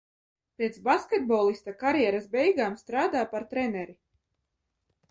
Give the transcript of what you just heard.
Pēc basketbolista karjeras beigām strādā par treneri.